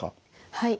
はい。